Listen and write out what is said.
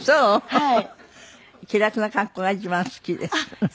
はい。